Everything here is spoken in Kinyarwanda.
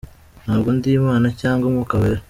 Ntabwo ndi Imana cyangwa umwuka wera